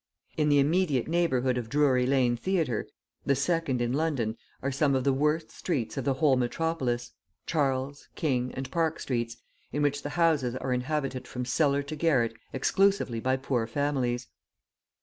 In the immediate neighbourhood of Drury Lane Theatre, the second in London, are some of the worst streets of the whole metropolis, Charles, King, and Park Streets, in which the houses are inhabited from cellar to garret exclusively by poor families.